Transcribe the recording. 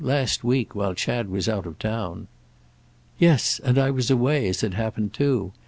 Last week—while Chad was out of town." "Yes—and I was away, as it happened, too.